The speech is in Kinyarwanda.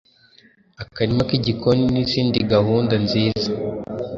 akarima k’igikoni n’izindi guhunda nziza